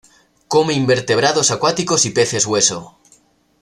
Come invertebrados acuáticos y peces hueso.